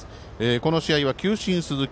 この試合は球審、鈴木。